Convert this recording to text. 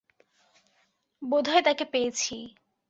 বোধহয় তাকে পেয়েছি।